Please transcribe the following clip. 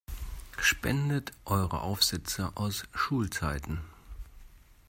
Spendet eure Aufsätze aus Schulzeiten!